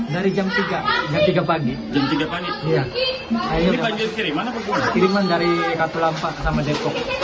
sampai ke sana tujuh meter